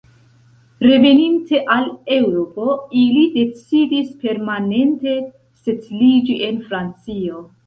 Reveninte al Eŭropo, ili decidis permanente setliĝi en Francio.